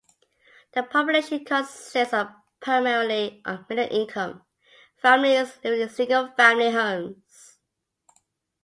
The population consists primarily of middle-income families living in single-family homes.